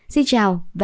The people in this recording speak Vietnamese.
xin chào và hẹn gặp lại